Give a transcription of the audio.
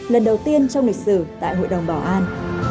lần đầu tiên trong lịch sử tại hội đồng bảo an